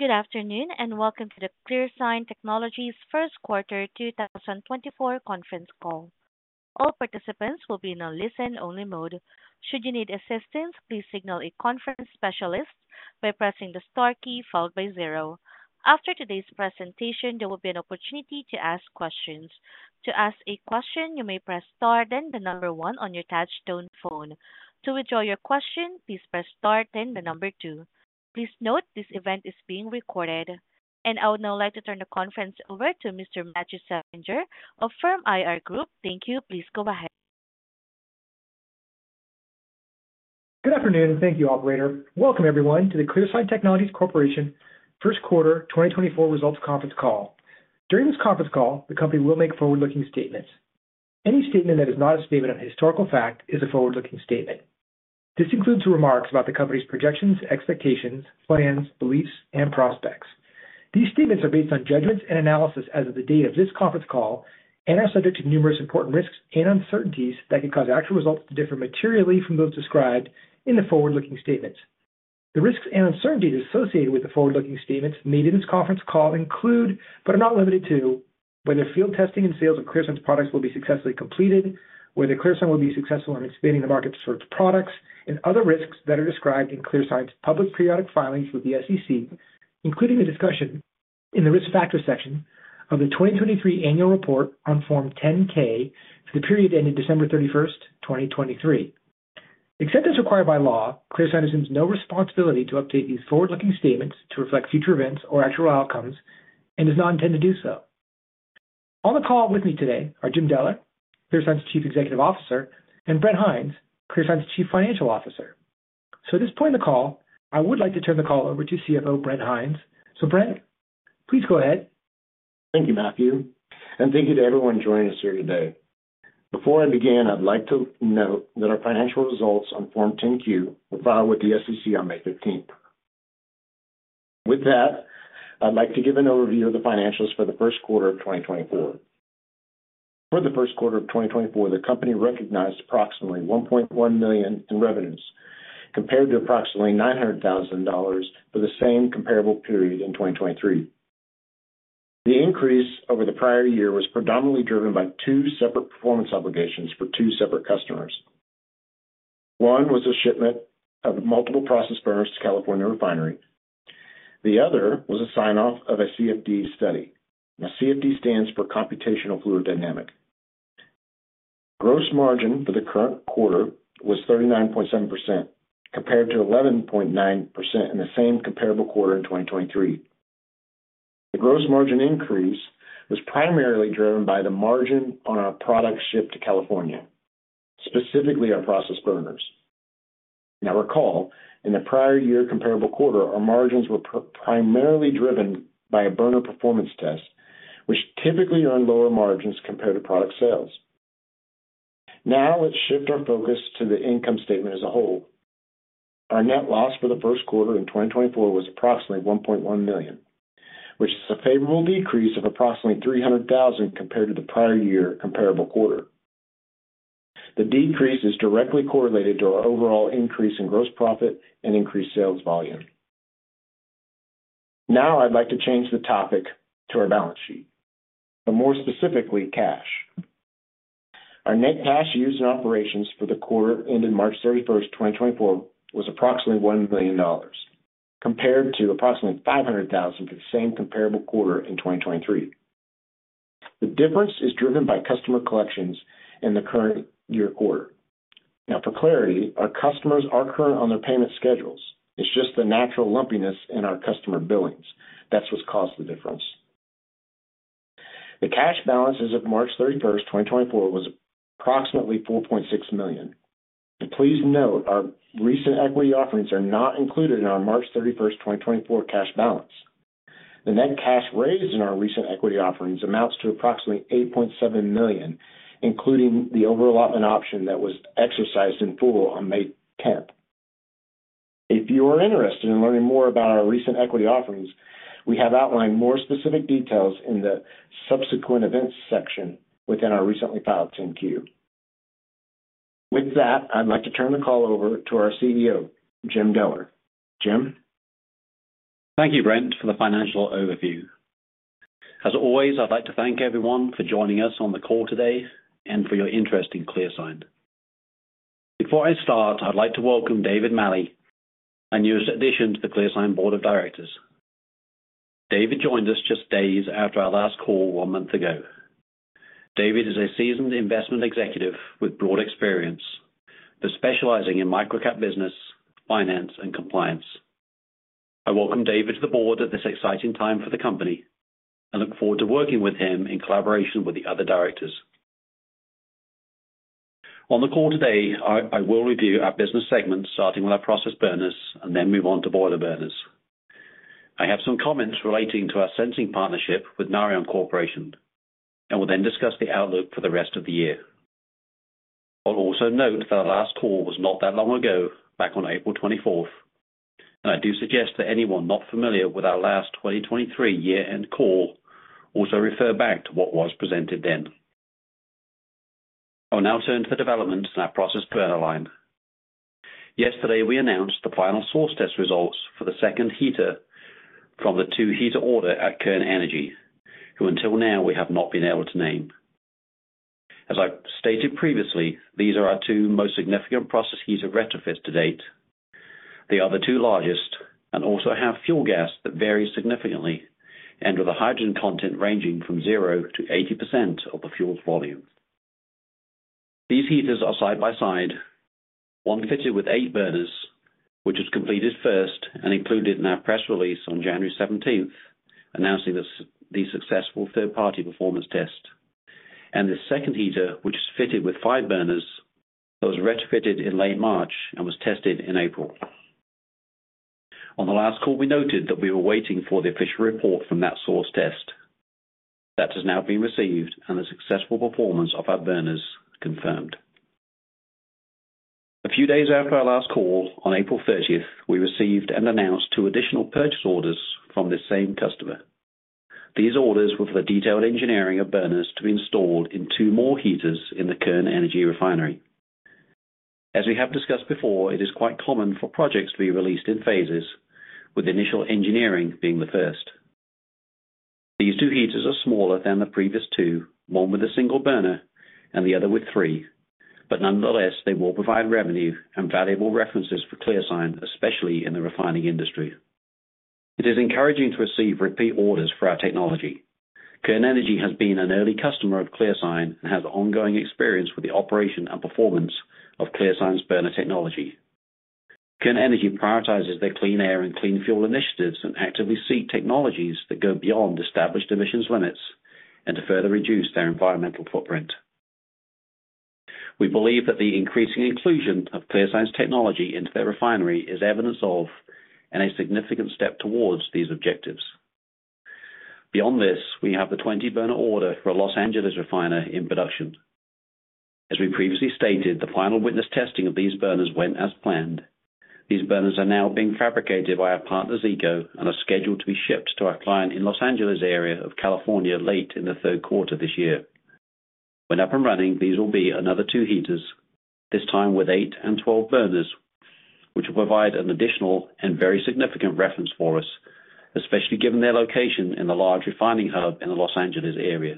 Good afternoon, and welcome to the ClearSign Technologies First Quarter 2024 conference call. All participants will be in a listen-only mode. Should you need assistance, please signal a conference specialist by pressing the star key followed by 0. After today's presentation, there will be an opportunity to ask questions. To ask a question, you may press star, then the number one on your touchtone phone. To withdraw your question, please press star, then the number two. Please note, this event is being recorded. I would now like to turn the conference over to Mr. Matthew Selinger of Firm IR Group. Thank you. Please go ahead. Good afternoon, and thank you, operator. Welcome everyone to the ClearSign Technologies Corporation First Quarter 2024 Results Conference Call. During this conference call, the company will make forward-looking statements. Any statement that is not a statement of historical fact is a forward-looking statement. This includes remarks about the company's projections, expectations, plans, beliefs, and prospects. These statements are based on judgments and analysis as of the date of this conference call and are subject to numerous important risks and uncertainties that could cause actual results to differ materially from those described in the forward-looking statements. The risks and uncertainties associated with the forward-looking statements made in this conference call include, but are not limited to, whether field testing and sales of ClearSign's products will be successfully completed, whether ClearSign will be successful in expanding the market for its products, and other risks that are described in ClearSign's public periodic filings with the SEC, including a discussion in the Risk Factors section of the 2023 Annual Report on Form 10-K for the period ended December 31st, 2023. Except as required by law, ClearSign assumes no responsibility to update these forward-looking statements to reflect future events or actual outcomes and does not intend to do so. On the call with me today are Jim Deller, ClearSign's Chief Executive Officer, and Brent Hinds, ClearSign's Chief Financial Officer. At this point in the call, I would like to turn the call over to CFO, Brent Hinds. Brent, please go ahead. Thank you, Matthew, and thank you to everyone joining us here today. Before I begin, I'd like to note that our financial results on Form 10-Q were filed with the SEC on May fifteenth. With that, I'd like to give an overview of the financials for the first quarter of 2024. For the first quarter of 2024, the company recognized approximately $1.1 million in revenues, compared to approximately $900,000 for the same comparable period in 2023. The increase over the prior year was predominantly driven by two separate performance obligations for two separate customers. One was a shipment of multiple process burners to California refinery. The other was a sign-off of a CFD study. Now, CFD stands for Computational Fluid Dynamics. Gross margin for the current quarter was 39.7%, compared to 11.9% in the same comparable quarter in 2023. The gross margin increase was primarily driven by the margin on our product shipped to California, specifically our process burners. Now, recall, in the prior year comparable quarter, our margins were primarily driven by a burner performance test, which typically earn lower margins compared to product sales. Now, let's shift our focus to the income statement as a whole. Our net loss for the first quarter in 2024 was approximately $1.1 million, which is a favorable decrease of approximately $300,000 compared to the prior year comparable quarter. The decrease is directly correlated to our overall increase in gross profit and increased sales volume. Now, I'd like to change the topic to our balance sheet, but more specifically, Cash. Our net cash used in operations for the quarter ended March 31st, 2024, was approximately $1 million, compared to approximately $500,000 for the same comparable quarter in 2023. The difference is driven by customer collections in the current year quarter. Now, for clarity, our customers are current on their payment schedules. It's just the natural lumpiness in our customer billings. That's what's caused the difference. The cash balance as of March 31st, 2024, was approximately $4.6 million. Please note, our recent equity offerings are not included in our March 31st, 2024, cash balance. The net cash raised in our recent equity offerings amounts to approximately $8.7 million, including the overallotment option that was exercised in full on May 10th. If you are interested in learning more about our recent equity offerings, we have outlined more specific details in the Subsequent Events section within our recently filed 10-Q. With that, I'd like to turn the call over to our CEO, Jim Deller. Jim? Thank you, Brent, for the financial overview. As always, I'd like to thank everyone for joining us on the call today and for your interest in ClearSign. Before I start, I'd like to welcome David Maley, our newest addition to the ClearSign Board of Directors. David joined us just days after our last call one month ago. David is a seasoned investment executive with broad experience for specializing in microcap business, finance, and compliance. I welcome David to the board at this exciting time for the company. I look forward to working with him in collaboration with the other directors. On the call today, I will review our business segments, starting with our process burners and then move on to boiler burners. I have some comments relating to our sensing partnership with Narion Corporation, and will then discuss the outlook for the rest of the year. I'll also note that our last call was not that long ago, back on April 24th, and I do suggest that anyone not familiar with our last 2023 year-end call also refer back to what was presented then. I will now turn to the development in our process burner line. Yesterday, we announced the final source test results for the second heater from the two heater order at Kern Energy, who until now, we have not been able to name. As I've stated previously, these are our two most significant process heater retrofits to date. They are the two largest, and also have fuel gas that varies significantly, and with a hydrogen content ranging from 0%-80% of the fuel's volume. These heaters are side by side, one fitted with eight burners, which was completed first and included in our press release on January 17th, announcing the the successful third-party performance test. The second heater, which is fitted with five burners, that was retrofitted in late March and was tested in April. On the last call, we noted that we were waiting for the official report from that source test. That has now been received, and the successful performance of our burners confirmed. A few days after our last call, on April 30th, we received and announced two additional purchase orders from the same customer. These orders were for the detailed engineering of burners to be installed in two more heaters in the Kern Energy Refinery. As we have discussed before, it is quite common for projects to be released in phases, with initial engineering being the first. These two heaters are smaller than the previous two, one with a single burner and the other with three, but nonetheless, they will provide revenue and valuable references for ClearSign, especially in the refining industry. It is encouraging to receive repeat orders for our technology. Kern Energy has been an early customer of ClearSign and has ongoing experience with the operation and performance of ClearSign's burner technology. Kern Energy prioritizes their clean air and clean fuel initiatives and actively seek technologies that go beyond established emissions limits and to further reduce their environmental footprint. We believe that the increasing inclusion of ClearSign's technology into their refinery is evidence of and a significant step towards these objectives. Beyond this, we have the 20-burner order for a Los Angeles refiner in production. As we previously stated, the final witness testing of these burners went as planned. These burners are now being fabricated by our partner, Zeeco, and are scheduled to be shipped to our client in Los Angeles area of California, late in the third quarter this year. When up and running, these will be another two heaters, this time with eight and 12 burners, which will provide an additional and very significant reference for us, especially given their location in the large refining hub in the Los Angeles area.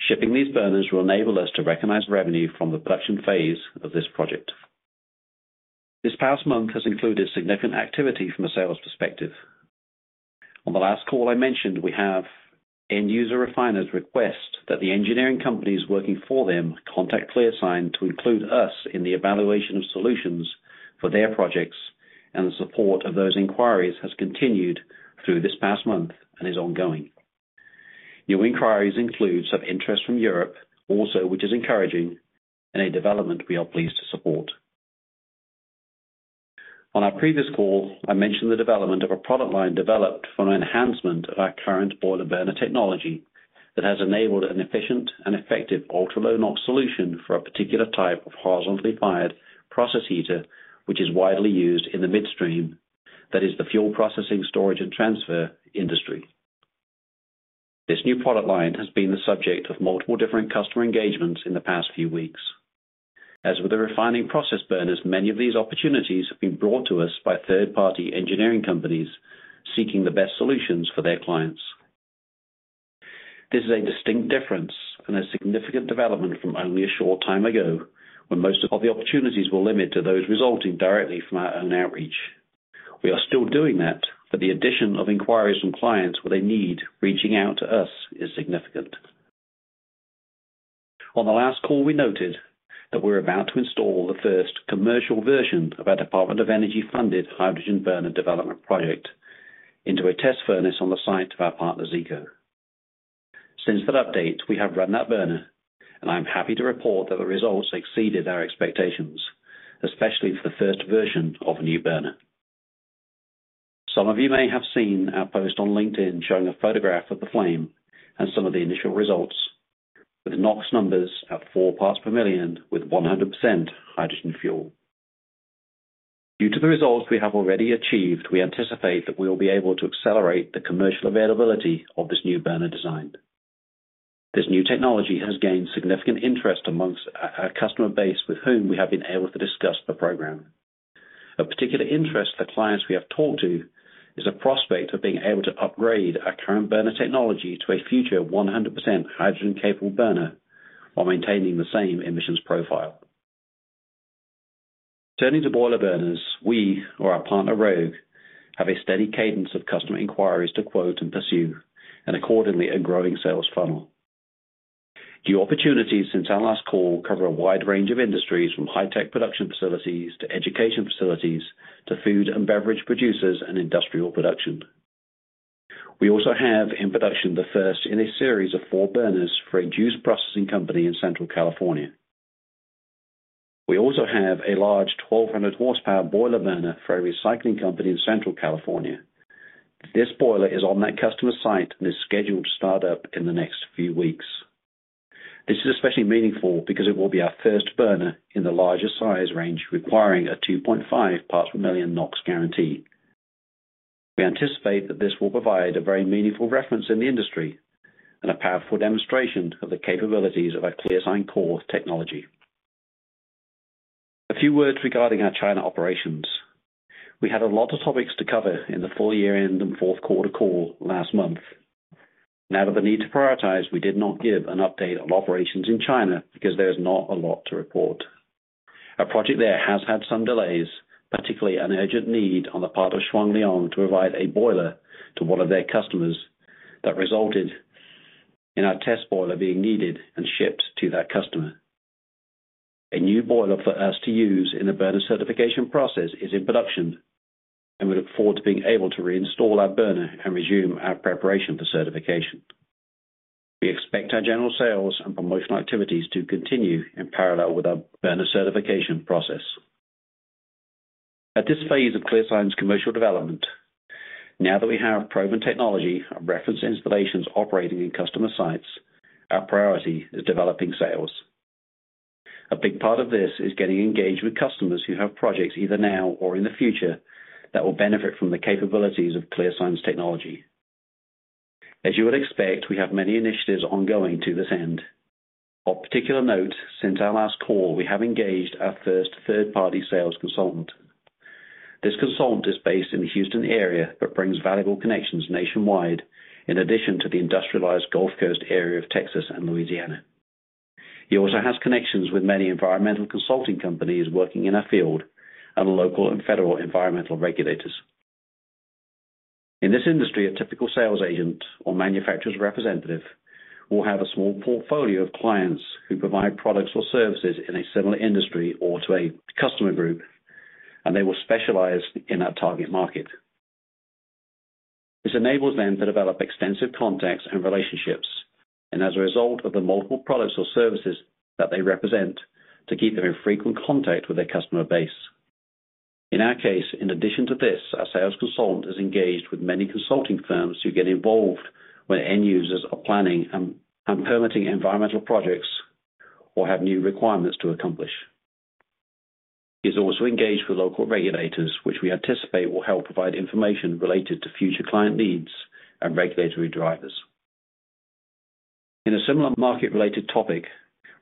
Shipping these burners will enable us to recognize revenue from the production phase of this project. This past month has included significant activity from a sales perspective. On the last call I mentioned, we have end user refiners request that the engineering companies working for them contact ClearSign to include us in the evaluation of solutions for their projects, and the support of those inquiries has continued through this past month and is ongoing. New inquiries include some interest from Europe also, which is encouraging and a development we are pleased to support. On our previous call, I mentioned the development of a product line developed from an enhancement of our current boiler burner technology that has enabled an efficient and effective ultra low NOx solution for a particular type of horizontally fired process heater, which is widely used in the midstream. That is the fuel processing, storage, and transfer industry. This new product line has been the subject of multiple different customer engagements in the past few weeks. As with the refining process burners, many of these opportunities have been brought to us by third-party engineering companies seeking the best solutions for their clients. This is a distinct difference and a significant development from only a short time ago, when most of the opportunities were limited to those resulting directly from our own outreach. We are still doing that, but the addition of inquiries from clients where they need reaching out to us is significant. On the last call, we noted that we're about to install the first commercial version of our Department of Energy-funded hydrogen burner development project into a test furnace on the site of our partner, Zeeco. Since that update, we have run that burner, and I'm happy to report that the results exceeded our expectations, especially for the first version of a new burner. Some of you may have seen our post on LinkedIn showing a photograph of the flame and some of the initial results, with the NOx numbers at 4 parts per million, with 100% hydrogen fuel. Due to the results we have already achieved, we anticipate that we will be able to accelerate the commercial availability of this new burner design. This new technology has gained significant interest among our customer base with whom we have been able to discuss the program. Of particular interest to the clients we have talked to is a prospect of being able to upgrade our current burner technology to a future 100% hydrogen-capable burner while maintaining the same emissions profile. Turning to boiler burners, we or our partner, Rogue, have a steady cadence of customer inquiries to quote and pursue, and accordingly, a growing sales funnel. New opportunities since our last call cover a wide range of industries, from high-tech production facilities to education facilities, to food and beverage producers and industrial production. We also have in production, the first in a series of four burners for a juice processing company in Central California. We also have a large 1,200 horsepower boiler burner for a recycling company in Central California. This boiler is on that customer site and is scheduled to start up in the next few weeks. This is especially meaningful because it will be our first burner in the larger size range, requiring a 2.5 parts per million NOx guarantee. We anticipate that this will provide a very meaningful reference in the industry and a powerful demonstration of the capabilities of our ClearSign Core technology. A few words regarding our China operations. We had a lot of topics to cover in the full year end and fourth quarter call last month. Out of the need to prioritize, we did not give an update on operations in China because there is not a lot to report. Our project there has had some delays, particularly an urgent need on the part of Shuangliang to provide a boiler to one of their customers, that resulted in our test boiler being needed and shipped to that customer. A new boiler for us to use in the burner certification process is in production, and we look forward to being able to reinstall our burner and resume our preparation for certification. We expect our general sales and promotional activities to continue in parallel with our burner certification process. At this phase of ClearSign's commercial development, now that we have proven technology and reference installations operating in customer sites, our priority is developing sales. A big part of this is getting engaged with customers who have projects, either now or in the future, that will benefit from the capabilities of ClearSign's technology. As you would expect, we have many initiatives ongoing to this end. Of particular note, since our last call, we have engaged our first third-party sales consultant. This consultant is based in the Houston area, but brings valuable connections nationwide, in addition to the industrialized Gulf Coast area of Texas and Louisiana. He also has connections with many environmental consulting companies working in our field and local and federal environmental regulators. In this industry, a typical sales agent or manufacturer's representative will have a small portfolio of clients who provide products or services in a similar industry or to a customer group, and they will specialize in that target market. This enables them to develop extensive contacts and relationships, and as a result of the multiple products or services that they represent, to keep them in frequent contact with their customer base. In our case, in addition to this, our sales consultant is engaged with many consulting firms who get involved when end users are planning and permitting environmental projects or have new requirements to accomplish. He's also engaged with local regulators, which we anticipate will help provide information related to future client needs and regulatory drivers. In a similar market-related topic,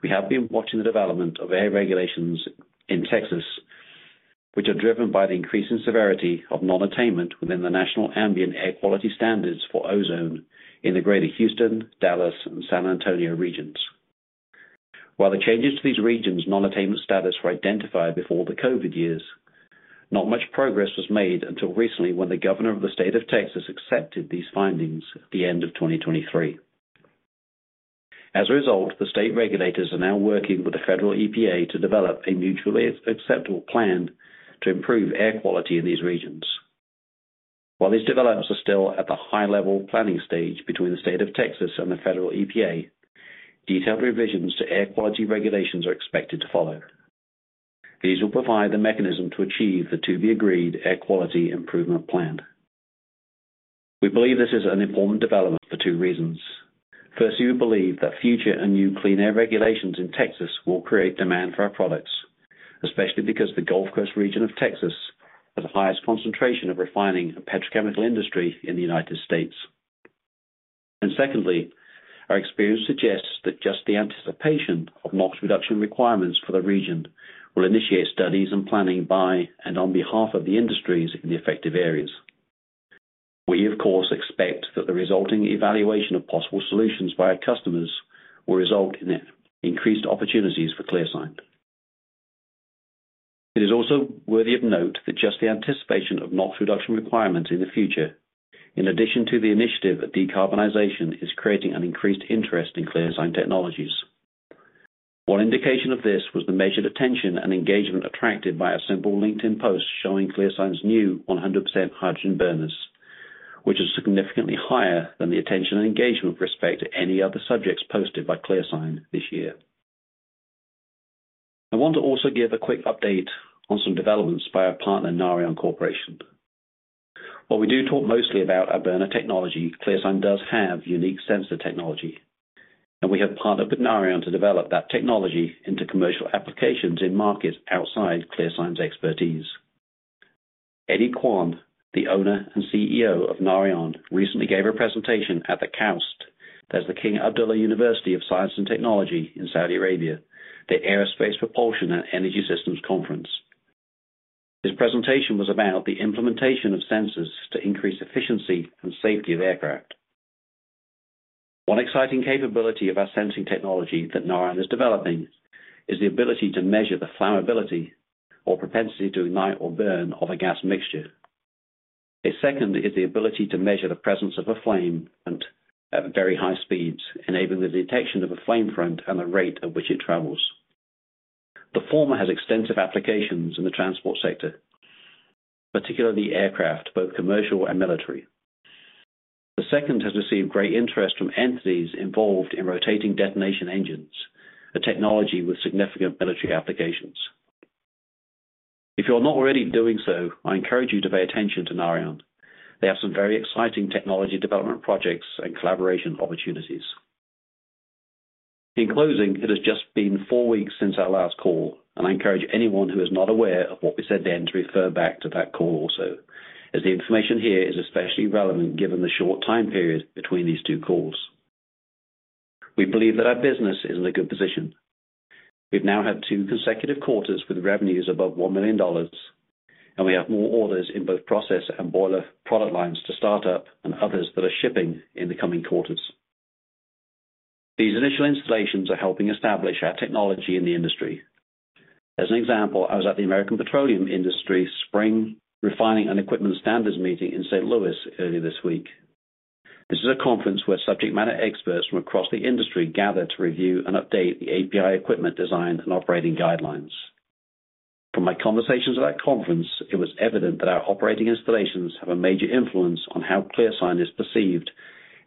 we have been watching the development of air regulations in Texas, which are driven by the increasing severity of non-attainment within the National Ambient Air Quality Standards for ozone in the Greater Houston, Dallas and San Antonio regions. While the changes to these regions' non-attainment status were identified before the COVID years, not much progress was made until recently, when the governor of the State of Texas accepted these findings at the end of 2023. As a result, the state regulators are now working with the federal EPA to develop a mutually acceptable plan to improve air quality in these regions. While these developments are still at the high-level planning stage between the State of Texas and the federal EPA, detailed revisions to air quality regulations are expected to follow. These will provide the mechanism to achieve the to-be-agreed air quality improvement plan. We believe this is an important development for two reasons. Firstly, we believe that future and new clean air regulations in Texas will create demand for our products, especially because the Gulf Coast region of Texas has the highest concentration of refining and petrochemical industry in the United States. Secondly, our experience suggests that just the anticipation of NOx reduction requirements for the region will initiate studies and planning by, and on behalf of, the industries in the affected areas. We, of course, expect that the resulting evaluation of possible solutions by our customers will result in increased opportunities for ClearSign. It is also worthy of note that just the anticipation of NOx reduction requirements in the future, in addition to the initiative of decarbonization, is creating an increased interest in ClearSign technologies. One indication of this was the measured attention and engagement attracted by a simple LinkedIn post showing ClearSign's new 100% hydrogen burners, which is significantly higher than the attention and engagement with respect to any other subjects posted by ClearSign this year. I want to also give a quick update on some developments by our partner, Narion Corporation. While we do talk mostly about our burner technology, ClearSign does have unique sensor technology, and we have partnered with Narion to develop that technology into commercial applications in markets outside ClearSign's expertise. Eddie Kwon, the owner and CEO of Narion, recently gave a presentation at the KAUST, that's the King Abdullah University of Science and Technology in Saudi Arabia, the Aerospace Propulsion and Energy Systems Conference. This presentation was about the implementation of sensors to increase efficiency and safety of aircraft. One exciting capability of our sensing technology that Narion is developing is the ability to measure the flammability or propensity to ignite or burn of a gas mixture. A second is the ability to measure the presence of a flame and at very high speeds, enabling the detection of a flame front and the rate at which it travels. The former has extensive applications in the transport sector, particularly aircraft, both commercial and military. The second has received great interest from entities involved in rotating detonation engines, a technology with significant military applications. If you are not already doing so, I encourage you to pay attention to Narion. They have some very exciting technology development projects and collaboration opportunities. In closing, it has just been four weeks since our last call, and I encourage anyone who is not aware of what we said then to refer back to that call also, as the information here is especially relevant given the short time period between these two calls. We believe that our business is in a good position. We've now had two consecutive quarters with revenues above $1 million, and we have more orders in both process and boiler product lines to start up and others that are shipping in the coming quarters. These initial installations are helping establish our technology in the industry. As an example, I was at the American Petroleum Institute Spring Refining and Equipment Standards meeting in St. Louis earlier this week. This is a conference where subject matter experts from across the industry gather to review and update the API equipment design and operating guidelines. From my conversations at that conference, it was evident that our operating installations have a major influence on how ClearSign is perceived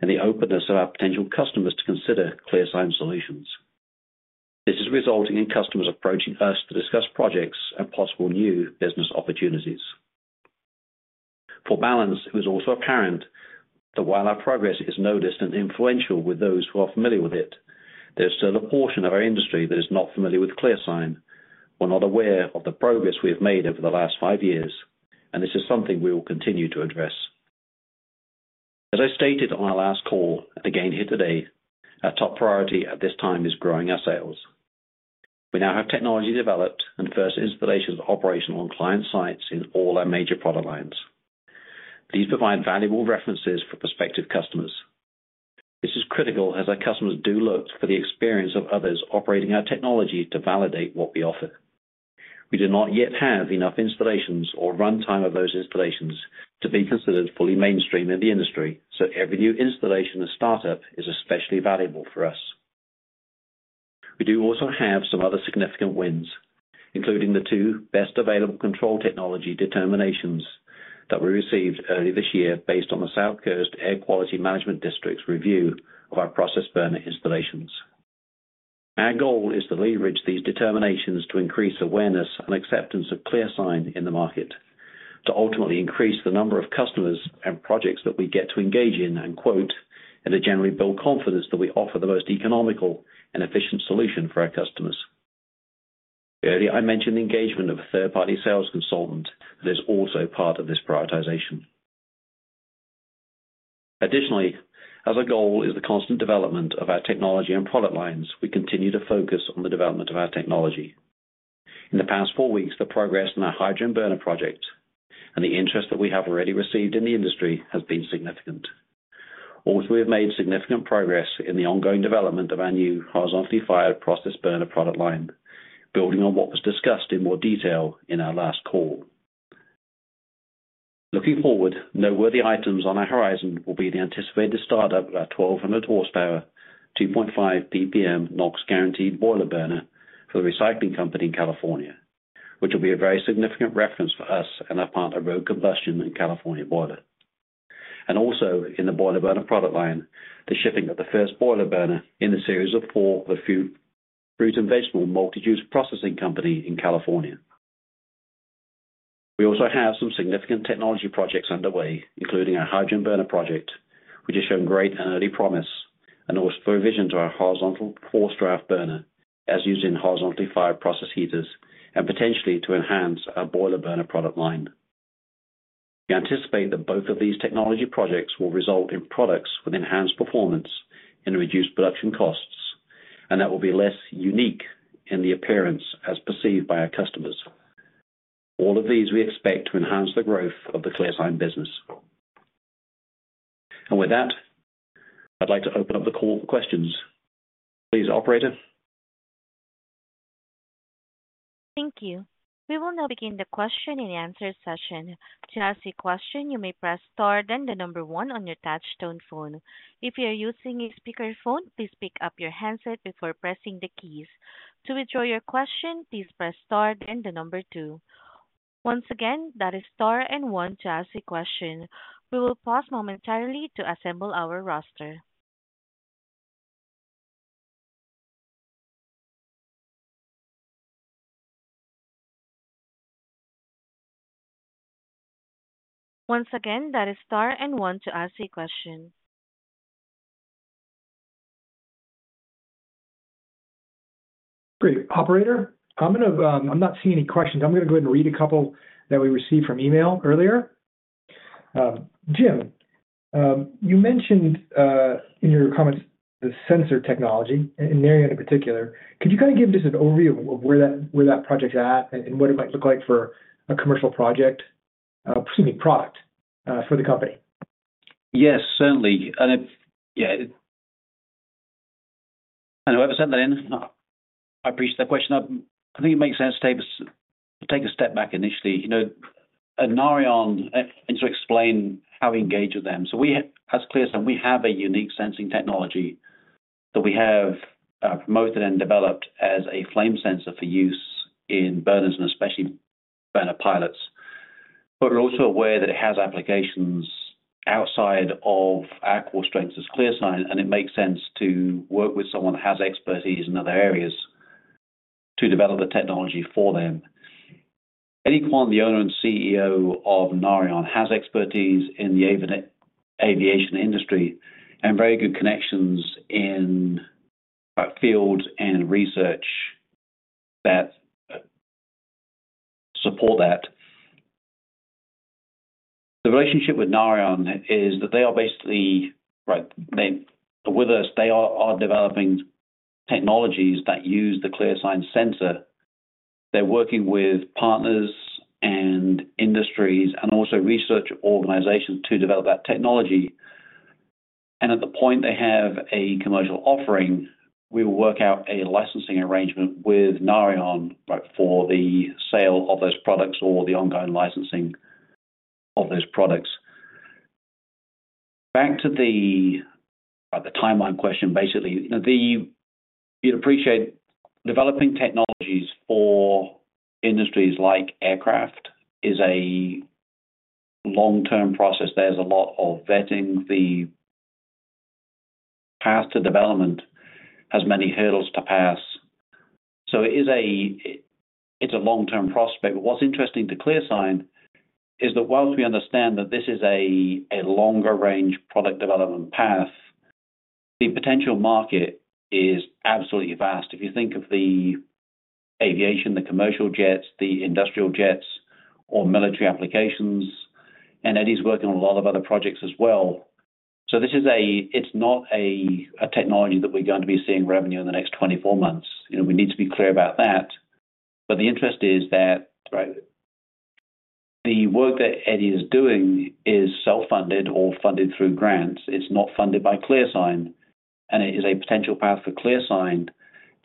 and the openness of our potential customers to consider ClearSign solutions. This is resulting in customers approaching us to discuss projects and possible new business opportunities. For balance, it was also apparent that while our progress is noticed and influential with those who are familiar with it, there's still a portion of our industry that is not familiar with ClearSign or not aware of the progress we have made over the last five years, and this is something we will continue to address. As I stated on our last call, and again here today, our top priority at this time is growing our sales. We now have technology developed and first installations operational on client sites in all our major product lines. These provide valuable references for prospective customers. This is critical as our customers do look for the experience of others operating our technology to validate what we offer. We do not yet have enough installations or runtime of those installations to be considered fully mainstream in the industry, so every new installation and startup is especially valuable for us. We do also have some other significant wins, including the two best available control technology determinations that we received early this year based on the South Coast Air Quality Management District's review of our process burner installations. Our goal is to leverage these determinations to increase awareness and acceptance of ClearSign in the market, to ultimately increase the number of customers and projects that we get to engage in and quote, and to generally build confidence that we offer the most economical and efficient solution for our customers. Earlier, I mentioned the engagement of a third-party sales consultant, that is also part of this prioritization. Additionally, as our goal is the constant development of our technology and product lines, we continue to focus on the development of our technology. In the past four weeks, the progress in our hydrogen burner project and the interest that we have already received in the industry has been significant. Also, we have made significant progress in the ongoing development of our new horizontally fired process burner product line, building on what was discussed in more detail in our last call. Looking forward, noteworthy items on our horizon will be the anticipated start-up of our 1,200 horsepower, 2.5 PPM, NOx guaranteed boiler burner for a recycling company in California, which will be a very significant reference for us and our partner, Rogue Combustion and California Boiler. Also in the boiler burner product line, the shipping of the first boiler burner in a series of four, for fruit and vegetable multi-use processing company in California. We also have some significant technology projects underway, including our hydrogen burner project, which has shown great and early promise, and also provision to our horizontal forced-draft burner, as used in horizontally fired process heaters and potentially to enhance our boiler burner product line. We anticipate that both of these technology projects will result in products with enhanced performance and reduced production costs, and that will be less unique in the appearance as perceived by our customers. All of these we expect to enhance the growth of the ClearSign business. With that, I'd like to open up the call for questions. Please, operator. Thank you. We will now begin the question and answer session. To ask a question, you may press star, then the number one on your touchtone phone. If you are using a speakerphone, please pick up your handset before pressing the keys. To withdraw your question, please press star, then the number two. Once again, that is star and one to ask a question. We will pause momentarily to assemble our roster. Once again, that is star and one to ask a question. Great. Operator, I'm gonna. I'm not seeing any questions. I'm gonna go ahead and read a couple that we received from email earlier. Jim, you mentioned in your comments, the Sensor technology and Narion in particular. Could you kind of give just an overview of where that, where that project is at and what it might look like for a commercial project, excuse me, product, for the company? Yes, certainly. And whoever sent that in, I appreciate that question. I think it makes sense to take a step back initially. You know, at Narion, and to explain how we engage with them. So we, as ClearSign, we have a unique sensing technology that we have promoted and developed as a flame sensor for use in burners and especially burner pilots. But we're also aware that it has applications outside of our core strengths as ClearSign, and it makes sense to work with someone who has expertise in other areas... to develop the technology for them. Eddie Kwon, the owner and CEO of Narion, has expertise in the aviation industry and very good connections in fields and research that support that. The relationship with Narion is that they are basically, right, they, with us, are developing technologies that use the ClearSign sensor. They're working with partners and industries and also research organizations to develop that technology. And at the point they have a commercial offering, we will work out a licensing arrangement with Narion, right, for the sale of those products or the ongoing licensing of those products. Back to the timeline question. Basically, you know, you'd appreciate developing technologies for industries like aircraft is a long-term process. There's a lot of vetting. The path to development has many hurdles to pass, so it is, it's a long-term prospect. But what's interesting to ClearSign is that whilst we understand that this is a longer range product development path, the potential market is absolutely vast. If you think of the aviation, the commercial jets, the industrial jets or military applications, and Eddie's working on a lot of other projects as well. So this is not a technology that we're going to be seeing revenue in the next 24 months. You know, we need to be clear about that. But the interest is that, right, the work that Eddie is doing is self-funded or funded through grants. It's not funded by ClearSign, and it is a potential path for ClearSign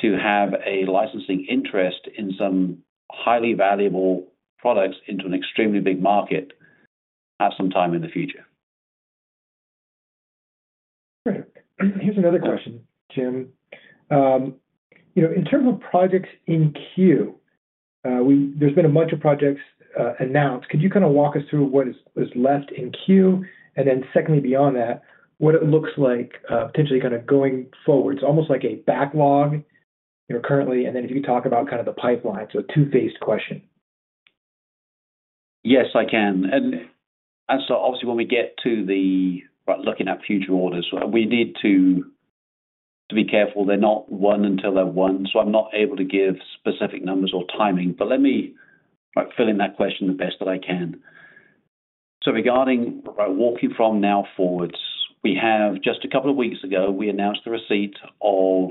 to have a licensing interest in some highly valuable products into an extremely big market at some time in the future. Great. Here's another question, Jim. You know, in terms of projects in queue, there's been a bunch of projects announced. Could you kind of walk us through what is left in queue? And then secondly, beyond that, what it looks like potentially kind of going forward? It's almost like a backlog, you know, currently, and then if you talk about kind of the pipeline, so a two-faced question. Yes, I can. And so obviously, when we get to the like looking at future orders, we need to be careful. They're not one until they're one, so I'm not able to give specific numbers or timing. But let me like fill in that question the best that I can. So regarding walking from now forwards, we have just a couple of weeks ago, we announced the receipt of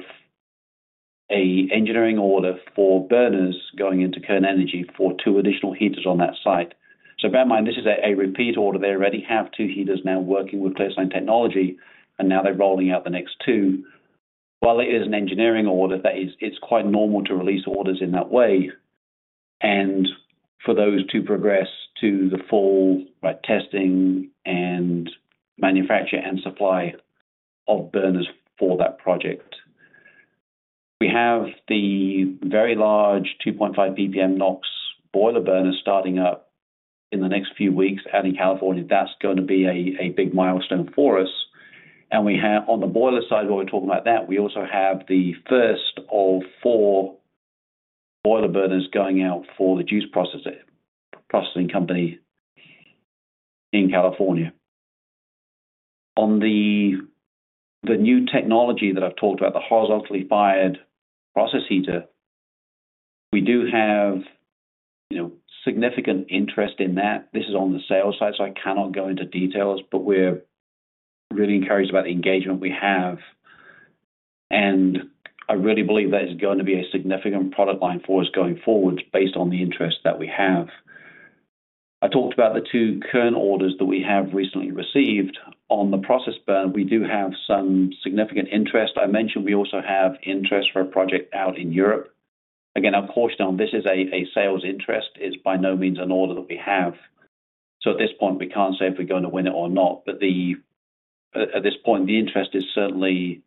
an engineering order for burners going into Kern Energy for two additional heaters on that site. So bear in mind, this is a repeat order. They already have two heaters now working with ClearSign technology, and now they're rolling out the next two. While it is an engineering order, that is, it's quite normal to release orders in that way and for those to progress to the full, like, testing and manufacture and supply of burners for that project. We have the very large 2.5 ppm NOx boiler burners starting up in the next few weeks out in California. That's going to be a, a big milestone for us. And we have on the boiler side, while we're talking about that, we also have the first of four boiler burners going out for the juice processor, processing company in California. On the, the new technology that I've talked about, the horizontally fired process heater, we do have, you know, significant interest in that. This is on the sales side, so I cannot go into details, but we're really encouraged about the engagement we have, and I really believe that it's going to be a significant product line for us going forward, based on the interest that we have. I talked about the two Kern orders that we have recently received. On the process burner, we do have some significant interest. I mentioned we also have interest for a project out in Europe. Again, I'm cautious on this. It's a sales interest. It's by no means an order that we have. So at this point, we can't say if we're going to win it or not, but the, at this point, the interest is certainly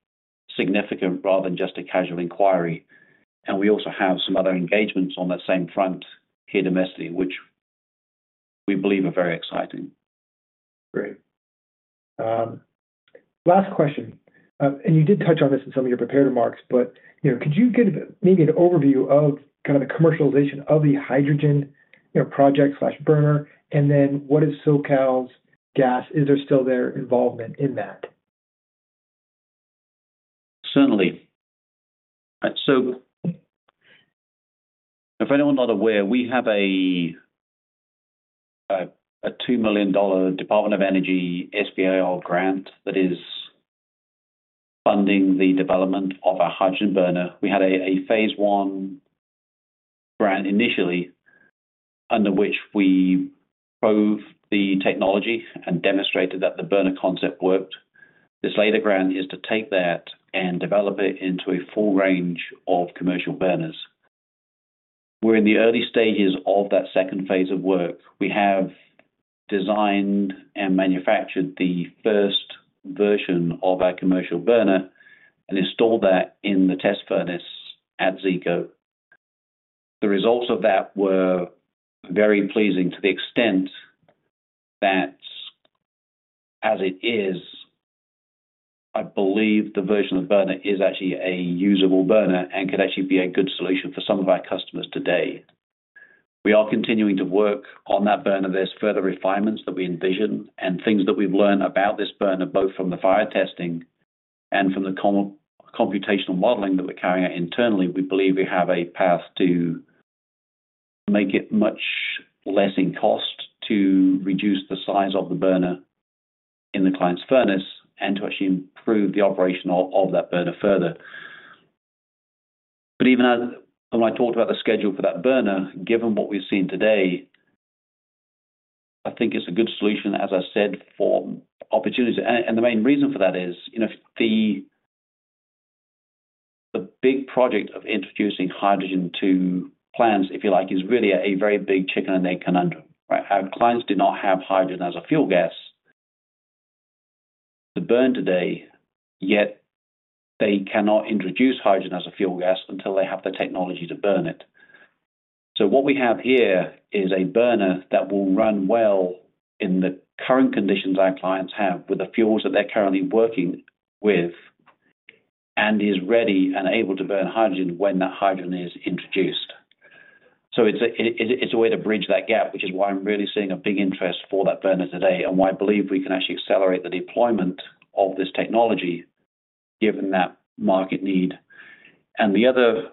significant rather than just a casual inquiry. And we also have some other engagements on that same front here domestically, which we believe are very exciting. Great. Last question, and you did touch on this in some of your prepared remarks, but, you know, could you give maybe an overview of kind of the commercialization of the hydrogen, you know, project/burner? And then what is SoCalGas—Is there still their involvement in that? Certainly. So if anyone's not aware, we have a $2 million Department of Energy SBIR grant that is funding the development of a hydrogen burner. We had a phase one grant initially, under which we proved the technology and demonstrated that the burner concept worked. This later grant is to take that and develop it into a full range of commercial burners. We're in the early stages of that second phase of work. We have designed and manufactured the first version of our commercial burner and installed that in the test furnace at Zeeco. The results of that were very pleasing to the extent that... as it is, I believe the version of burner is actually a usable burner and could actually be a good solution for some of our customers today. We are continuing to work on that burner. There's further refinements that we envision and things that we've learned about this burner, both from the fire testing and from the computational modeling that we're carrying out internally. We believe we have a path to make it much less in cost, to reduce the size of the burner in the client's furnace, and to actually improve the operation of, of that burner further. But even as when I talked about the schedule for that burner, given what we've seen today, I think it's a good solution, as I said, for opportunities. And the main reason for that is, you know, the big project of introducing hydrogen to plants, if you like, is really a very big chicken and egg conundrum, right? Our clients do not have hydrogen as a fuel gas to burn today, yet they cannot introduce hydrogen as a fuel gas until they have the technology to burn it. So what we have here is a burner that will run well in the current conditions our clients have with the fuels that they're currently working with, and is ready and able to burn hydrogen when that hydrogen is introduced. So it's a way to bridge that gap, which is why I'm really seeing a big interest for that burner today, and why I believe we can actually accelerate the deployment of this technology, given that market need. The other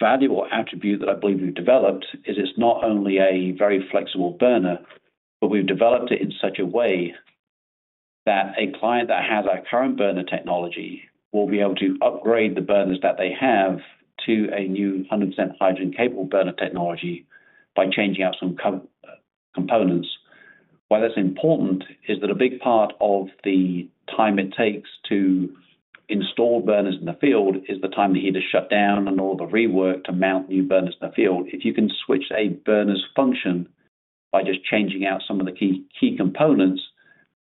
valuable attribute that I believe we've developed is it's not only a very flexible burner, but we've developed it in such a way that a client that has our current burner technology will be able to upgrade the burners that they have to a new 100% hydrogen-capable burner technology by changing out some components. Why that's important is that a big part of the time it takes to install burners in the field is the time the heat is shut down and all the rework to mount new burners in the field. If you can switch a burner's function by just changing out some of the key components,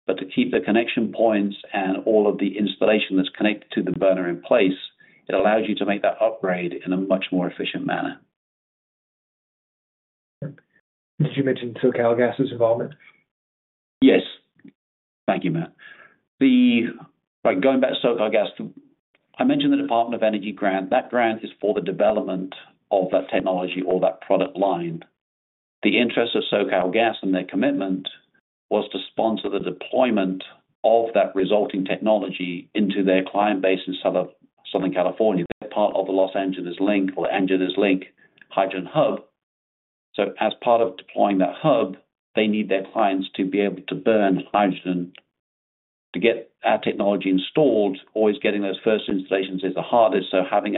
but to keep the connection points and all of the installation that's connected to the burner in place, it allows you to make that upgrade in a much more efficient manner. Did you mention SoCalGas's involvement? Yes. Thank you, Matt. By going back to SoCalGas, I mentioned the Department of Energy grant. That grant is for the development of that technology or that product line. The interest of SoCalGas and their commitment was to sponsor the deployment of that resulting technology into their client base in Southern, Southern California. They're part of the Angeles Link hydrogen hub. So as part of deploying that hub, they need their clients to be able to burn hydrogen. To get our technology installed, always getting those first installations is the hardest, so having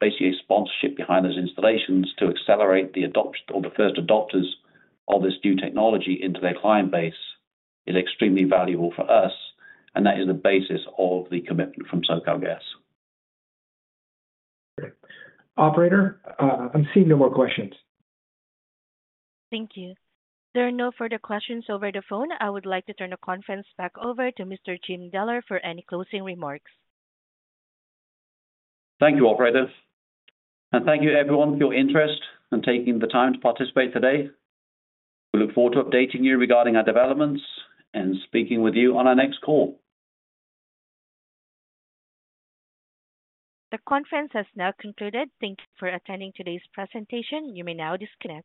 basically a sponsorship behind those installations to accelerate the adoption or the first adopters of this new technology into their client base is extremely valuable for us, and that is the basis of the commitment from SoCalGas. Operator, I'm seeing no more questions. Thank you. There are no further questions over the phone. I would like to turn the conference back over to Mr. Jim Deller for any closing remarks. Thank you, operator, and thank you everyone for your interest in taking the time to participate today. We look forward to updating you regarding our developments and speaking with you on our next call. The conference has now concluded. Thank you for attending today's presentation. You may now disconnect.